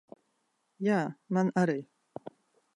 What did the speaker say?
Jā, man arī.